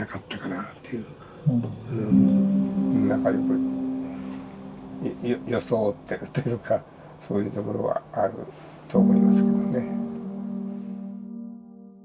うんそれはあのというかそういうところはあると思いますけどね。